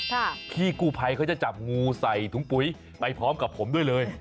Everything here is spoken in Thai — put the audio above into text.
พี่กู้ภัยเขาจะจับงูใส่ถุงปุ๋ยไปพร้อมกับผมด้วยเลย